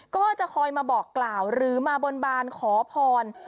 ก็จะคอยมาบอกกล่าวหรือมาบนบานขอพร